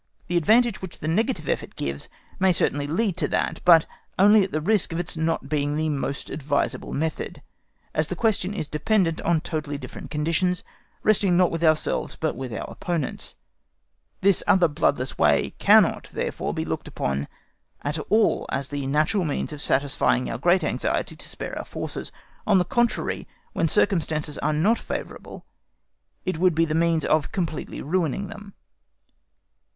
The advantage which the negative effort gives may certainly lead to that, but only at the risk of its not being the most advisable method, as that question is dependent on totally different conditions, resting not with ourselves but with our opponents. This other bloodless way cannot, therefore, be looked upon at all as the natural means of satisfying our great anxiety to spare our forces; on the contrary, when circumstances are not favourable, it would be the means of completely ruining them.